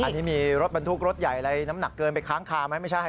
อันนี้มีรถบรรทุกรถใหญ่อะไรน้ำหนักเกินไปค้างคาไหมไม่ใช่